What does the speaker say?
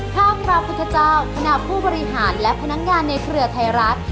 พระพุทธเจ้าคณะผู้บริหารและพนักงานในเครือไทยรัฐ